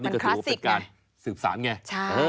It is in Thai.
ปัญชาการสืบสารแม่